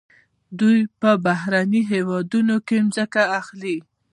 دوی په بهرنیو هیوادونو کې ځمکې اخلي.